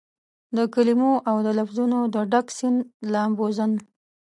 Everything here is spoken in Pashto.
دکلمو اودلفظونو دډک سیند لامبوزن